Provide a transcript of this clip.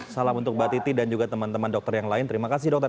salam untuk mbak titi dan juga teman teman dokter yang lain terima kasih dokter